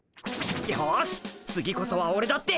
よし次こそはオレだって。